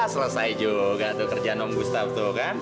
selesai juga tuh kerjaan om gustaf tuh kan